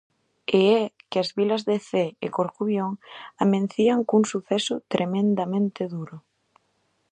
E é que as vilas de Cee e Corcubión amencían cun suceso tremendamente duro.